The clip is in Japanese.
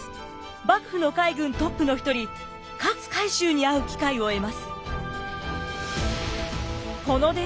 幕府の海軍トップの一人勝海舟に会う機会を得ます。